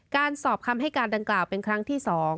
การสอบคำให้การดังกล่าวเป็นครั้งที่๒